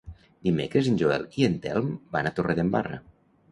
Dimecres en Joel i en Telm van a Torredembarra.